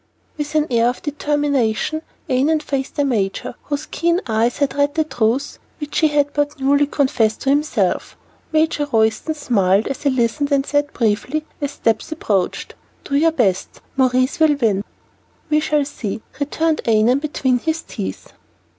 With an air of determination Annon faced the major, whose keen eyes had read the truth which he had but newly confessed to himself. Major Royston smiled as he listened, and said briefly, as steps approached, "Do your best. Maurice will win." "We shall see," returned Annon between his teeth.